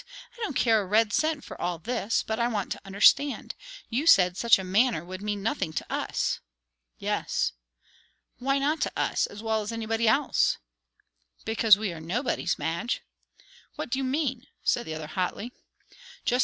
I don't care a red cent for all this, but I want to understand. You said such a manner would mean nothing to us." "Yes." "Why not to us, as well as anybody else?" "Because we are nobodies, Madge." "What do you mean?" said the other hotly. "Just that.